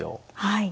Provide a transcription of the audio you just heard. はい。